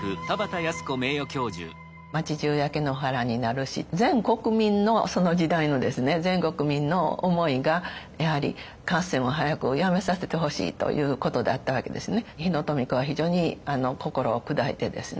町じゅう焼け野原になるし全国民のその時代のですね全国民の思いがやはり合戦を早くやめさせてほしいということだったわけですね。